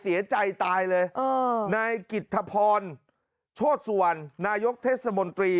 เสียใจตายเลยนายกิจทพรโชธสุวรรณนายกเทศมนตรี